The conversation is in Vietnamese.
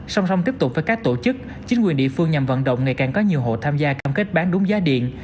song song tiếp tục với các tổ chức chính quyền địa phương nhằm vận động ngày càng có nhiều hộ tham gia cam kết bán đúng giá điện